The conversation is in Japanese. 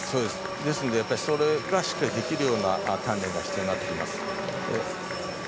ですので、それがしっかりできるような鍛錬が必要になってきます。